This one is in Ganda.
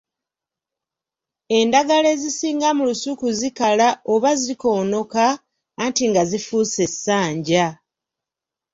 Endagala ezisinga mu lusuku zikala oba zikoonoka anti nga zifuuse essanja.